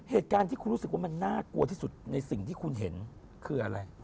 เหตุการณ์ที่คุณรู้สึกว่ามันน่ากลัวที่สุดในสิ่งที่คุณเห็นคืออะไร